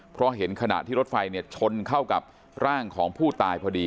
เพราะเห็นขณะที่รถไฟชนเข้ากับร่างของผู้ตายพอดี